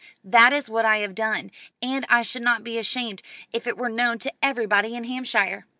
That is what I have done, and I should not be ashamed if it were known to everybody in Hampshire.